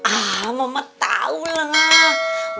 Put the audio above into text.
ah mama tau lah